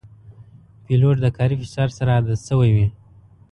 پیلوټ د کاري فشار سره عادت شوی وي.